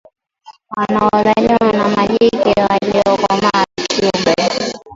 wanaozaliwa na majike waliokomaa kiumri